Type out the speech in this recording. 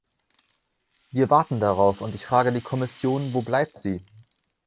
Wir warten darauf, und ich frage die Kommission wo bleibt sie?